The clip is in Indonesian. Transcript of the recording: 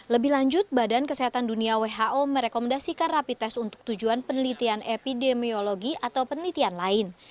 lebih lanjut badan kesehatan dunia who merekomendasikan rapi tes untuk tujuan penelitian epidemiologi atau penelitian lain